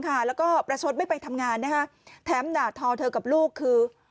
แล้วก็ประชดไม่ไปทำงานนะคะแถมด่าทอเธอกับลูกคือ